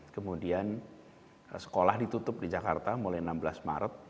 kemudian sekolah ditutup di jakarta mulai enam belas maret